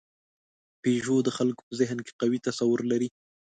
پيژو د خلکو په ذهن کې قوي تصور لري.